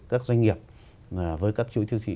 các doanh nghiệp với các chuỗi siêu thị